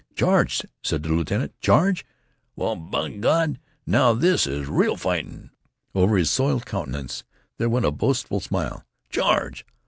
"Charge?" said the lieutenant. "Charge? Well, b'Gawd! Now, this is real fightin'." Over his soiled countenance there went a boastful smile. "Charge?